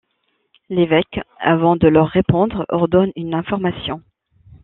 L'évêque, avant de leur répondre, ordonne une information.